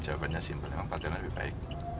jawabannya simpel memang partai lain lebih baik